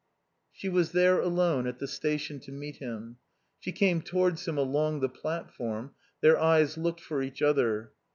She was there alone at the station to meet him. She came towards him along the platform. Their eyes looked for each other.